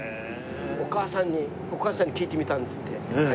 お母さんにお母さんに聞いてみたんですって帰ったら。